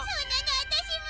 わたしも。